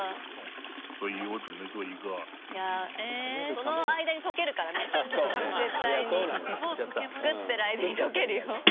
その間に溶けるからね絶対に。作ってる間に溶けるよ。